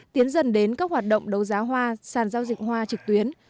tiến dần đến các hoạt động đấu giá hoa sàn giao dịch hoa trực tuyến